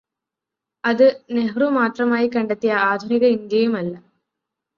അത് നെഹ്രു മാത്രമായി കണ്ടെത്തിയ ആധുനിക ഇന്ത്യയുമല്ല.